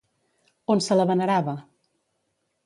On se la venerava?